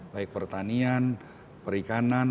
baik pertanian perikanan